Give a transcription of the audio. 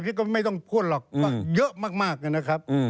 คิดว่าไม่ต้องพูดหรอกเยอะมากนะครับ